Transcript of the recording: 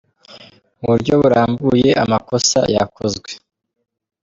mu buryo burambuye amakosa yakozwe.